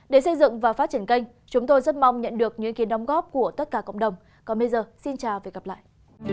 để xây dựng và phát triển kênh chúng tôi rất mong nhận được những kiến đóng góp của tất cả cộng đồng còn bây giờ xin chào và hẹn gặp lại